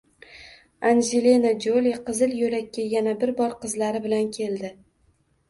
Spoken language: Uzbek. Anjelina Joli qizil yo‘lakka yana bir bor qizlari bilan keldi